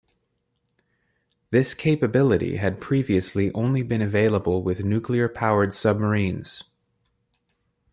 This capability had previously only been available with nuclear-powered submarines.